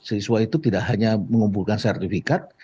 siswa itu tidak hanya mengumpulkan sertifikat